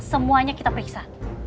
semuanya kita periksa